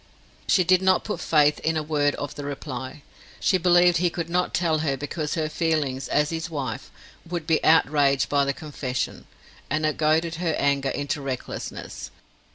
She did not put faith in a word of the reply. She believed he could not tell her because her feelings, as his wife, would be outraged by the confession; and it goaded her anger into recklessness.